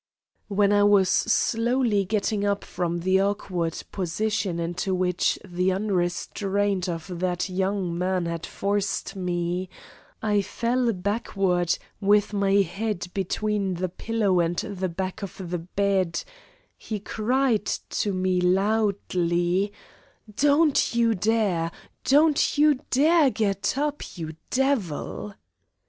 When I was slowly getting up from the awkward position into which the unrestraint of that young man had forced me I fell backward, with my head between the pillow and the back of the bed he cried to me loudly: "Don't you dare! Don't you dare get up, you Devil."